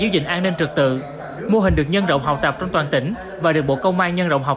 các nền trực tự mô hình được nhân rộng học tập trong toàn tỉnh và được bộ công an nhân rộng học